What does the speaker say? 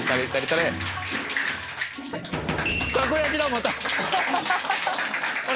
たこやきだまた。